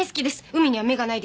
海には目がないです。